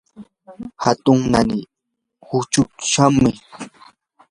hatun naani huchushqam.